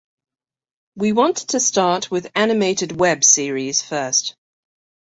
We want to start with animated Web series first.